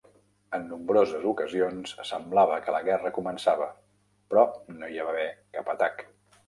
En nombroses ocasions semblava que la guerra començava, però no hi va haver cap atac.